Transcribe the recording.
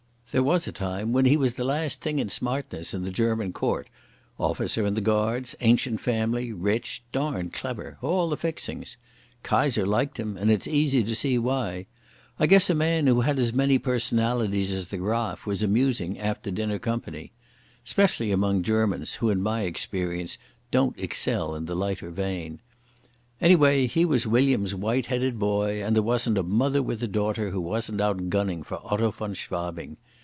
There was a time when he was the last thing in smartness in the German court—officer in the Guards, ancient family, rich, darned clever—all the fixings. Kaiser liked him, and it's easy to see why. I guess a man who had as many personalities as the Graf was amusing after dinner company. Specially among the Germans, who in my experience don't excel in the lighter vein. Anyway, he was William's white headed boy, and there wasn't a mother with a daughter who wasn't out gunning for Otto von Schwabing.